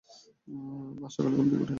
আজ সকালে ও ঘুম থেকে উঠেনি!